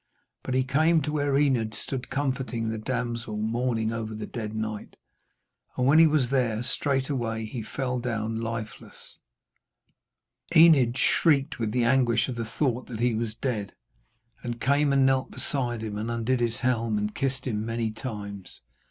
But he came to where Enid stood comforting the damsel mourning over the dead knight, and when he was there, straightway he fell down lifeless. Enid shrieked with the anguish of the thought that he was dead, and came and knelt beside him and undid his helm and kissed him many times.